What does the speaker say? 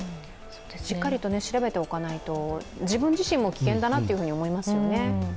しっかりと調べておかないと、自分自身も危険だなと思いますね。